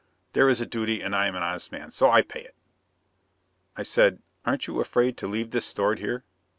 There is a duty and I am an honest man, so I pay it." I said, "Aren't you afraid to leave this stored here?"